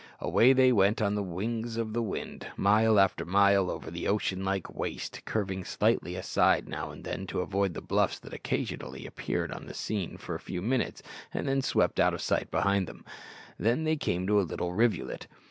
Away they went on the wings of the wind, mile after mile over the ocean like waste curving slightly aside now and then to avoid the bluffs that occasionally appeared on the scene for a few minutes and then swept out of sight behind them. Then they came to a little rivulet.